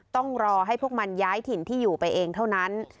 ต้องรอให้พวกมันย้ายถิ่นที่อยู่ไปเองเท่านั้น